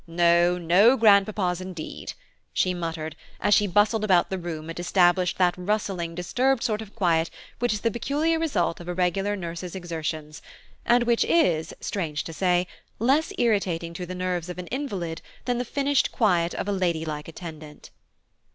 No, no grandpapas indeed," she muttered, as she bustled about the room, and established that rustling disturbed sort of quiet which is the peculiar result of a regular nurse's exertions, and which is–strange to say–less irritating to the nerves of an invalid than the finished quiet of a lady like attendant.